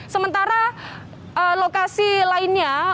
sementara lokasi lainnya